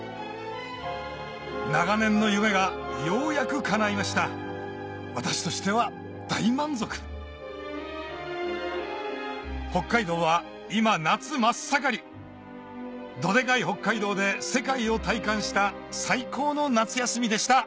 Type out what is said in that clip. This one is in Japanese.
長年の夢がようやくかないました私としては大満足北海道は今夏真っ盛りどでかい北海道で世界を体感した最高の夏休みでした！